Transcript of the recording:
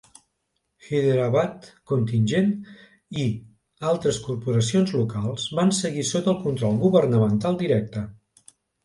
Hyderabad Contingent i altres corporacions locals van seguir sota el control governamental directe.